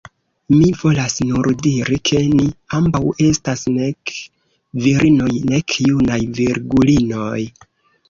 Mi volas nur diri, ke ni ambaŭ estas nek virinoj, nek junaj virgulinoj.